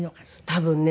多分ね。